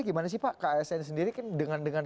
gimana sih pak ksn sendiri kan dengan